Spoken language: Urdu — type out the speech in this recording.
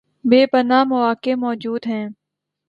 بے پناہ مواقع موجود ہیں